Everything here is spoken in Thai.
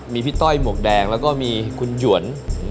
มีพี่ต้อยหมวกแดงแล้วก็มีคุณหยวน